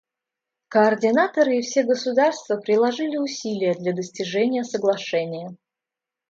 Координаторы и все государства приложили усилия для достижения соглашения.